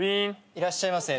いらっしゃいませ。